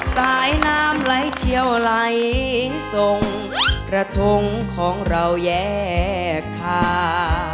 สายน้ำไล่เฉียวไล่ส่งกระทงของเราแยกถา